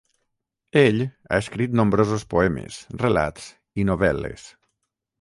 Ell ha escrit nombrosos poemes, relats i novel·les.